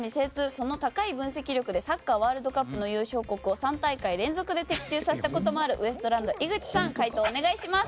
その高い分析力でサッカーワールドカップの優勝国を３大会連続で的中させたこともあるウエストランド、井口さん回答をお願いします。